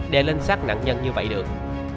để lên sát nạn nhân như vậy được